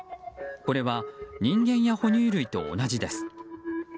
これは人間や哺乳類と同じです。